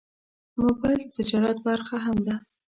موبایل د تجارت برخه هم ده.